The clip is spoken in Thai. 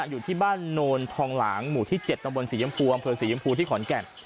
อยู่ที่บ้านโนนทองหลางหมู่ที่เจ็ดตรงบนสีย้ำพูบำเผลอสีย้ำพูที่ขอนแก่น